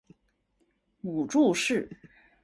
母祝氏。